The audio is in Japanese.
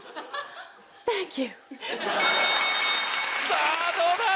さぁどうだ？